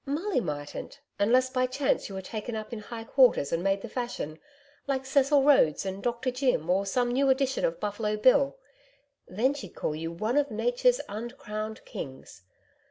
'Molly mightn't unless by chance you were taken up in high quarters and made the fashion like Cecil Rhodes and "Doctor Jim," or some new edition of Buffalo Bill. Then she'd call you "one of nature's uncrowned kings."